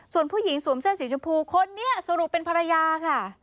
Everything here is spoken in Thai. ส่วนผู้หญิงสวมเสื้อสีชมพูคนนี้สรุปเป็นภรรยาค่ะ